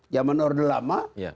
zaman order lama